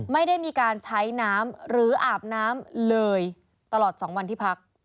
ไม่ได้มีการใช้น้ำหรืออาบน้ำเลยตลอด๒วันที่พัก